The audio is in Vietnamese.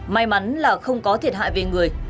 may mắn là không có thiệt hại về người